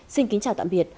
xin kính chào tạm biệt